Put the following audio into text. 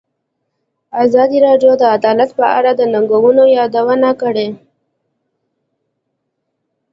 ازادي راډیو د عدالت په اړه د ننګونو یادونه کړې.